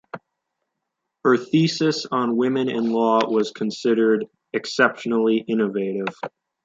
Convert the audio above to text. Her thesis on women in law was considered exceptionally innovative.